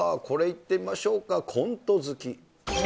これいってみましょうか、コント好き。